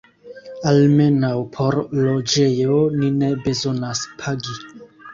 Almenaŭ por loĝejo ni ne bezonas pagi.